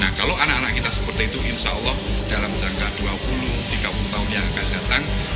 nah kalau anak anak kita seperti itu insya allah dalam jangka dua puluh tiga puluh tahun yang akan datang